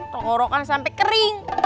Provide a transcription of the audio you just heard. tokoro kan sampe kering